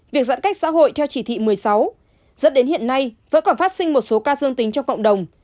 việc giãn cách xã hội theo chỉ thị một mươi sáu dẫn đến hiện nay vẫn còn phát sinh một số ca dương tính trong cộng đồng